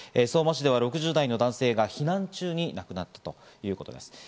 相馬市では６０代の男性が避難中に亡くなったということです。